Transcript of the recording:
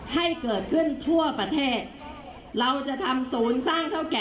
แค่สิบเปอร์เซ็นต์เพราะเราจะไม่มีแกนอาหารค่ะ